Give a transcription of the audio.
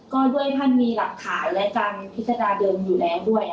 ก็ด้วยท่านมีหลักฐานและการพิจารณาเดิมอยู่แล้วด้วย